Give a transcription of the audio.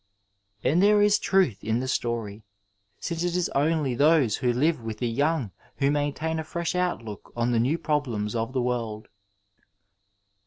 And there is truth in the story, sinoe it is only those who live with the young who maintain a fresh out look on the new problems ol the world.